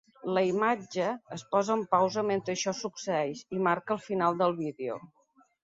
La imatge es posa en pausa mentre això succeeix, i marca el final del vídeo.